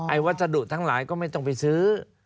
วัสดุทั้งหลายก็ไม่ต้องไปซื้อ